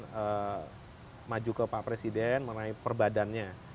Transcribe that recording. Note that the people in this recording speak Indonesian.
saya maju ke pak presiden mengenai perbadannya